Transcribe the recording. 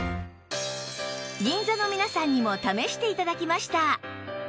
銀座の皆さんにも試して頂きました